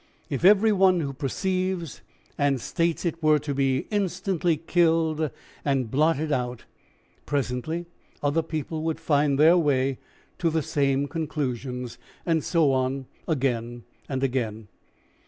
If every one who perceives and states it were to be instantly killed and blotted out, presently other people would find their way to the same conclusions; and so on again and again.